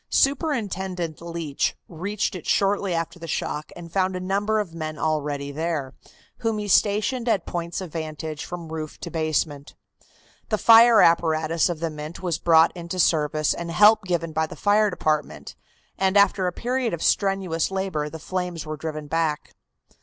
Superintendent Leach reached it shortly after the shock and found a number of men already there, whom he stationed at points of vantage from roof to basement. The fire apparatus of the Mint was brought into service and help given by the fire department, and after a period of strenuous labor the flames were driven back.